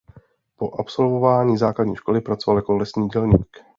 Po absolvování základní školy pracoval jako lesní dělník.